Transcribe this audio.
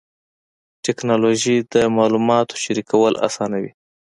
ټکنالوجي د معلوماتو شریکول اسانوي.